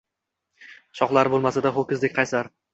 Shoxlari bo’lmasa-da, ho’kizdek qaysar.